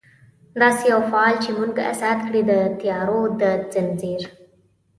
داسي یو فال چې موږ ازاد کړي، د تیارو د ځنځیر